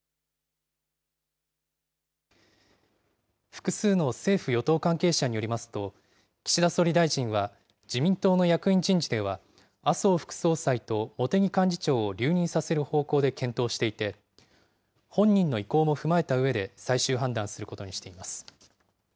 複数の政府・与党関係者によりますと、岸田総理大臣は自民党の役員人事では、麻生副総裁と茂木幹事長を留任させる方向で検討していて、本人の意向も踏まえたうえで最終判断することにしています。